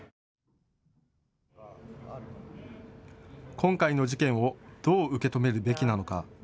今回の事件をどう受け止めるべきなのか。